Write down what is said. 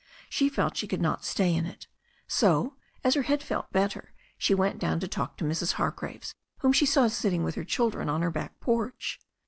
She felt she could not stay in it. So, as her head felt better, she went down to talk to Mrs. Hargraves, whom she saw sitting with her children on her back porch.